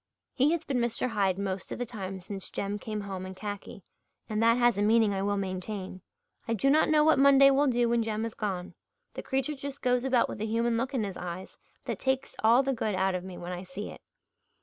He has been Mr. Hyde most of the time since Jem came home in khaki, and that has a meaning I will maintain. I do not know what Monday will do when Jem is gone. The creature just goes about with a human look in his eyes that takes all the good out of me when I see it.